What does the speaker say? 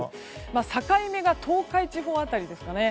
境目が東海地方辺りですかね。